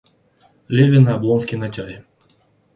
Левин и Облонский на тяге.